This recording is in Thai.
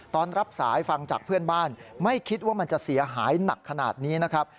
ตอนรับสายฟังจากเพื่อนบ้านไม่คิดว่ามันจะเสียหายหนักขนาดนี้นะครับ